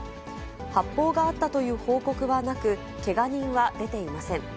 発砲があったという報告はなく、けが人は出ていません。